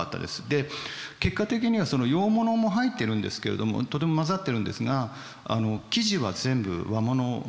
で結果的には洋物も入ってるんですけれどもとても交ざってるんですが生地は全部和物なんですね。